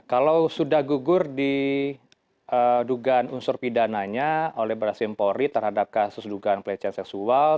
kalau sudah gugur di dugaan unsur pidananya oleh baras empori terhadap kasus dugaan pelecehan seksual